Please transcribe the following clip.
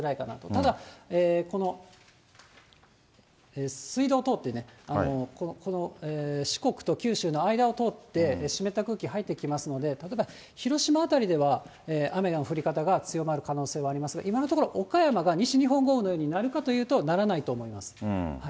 ただ、このすいどうを通って、この四国と九州の間を通って、湿った空気入ってきますので、例えば広島辺りでは雨の降り方が強まる可能性はありますが、今のところ、岡山が西日本豪雨のようになるかというとならないと思います。